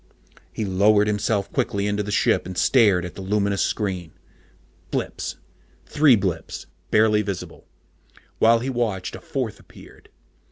_ He lowered himself quickly into the ship and stared at the luminous screen. Blips three blips barely visible. While he watched, a fourth appeared.